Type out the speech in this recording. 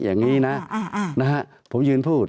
ตั้งแต่เริ่มมีเรื่องแล้ว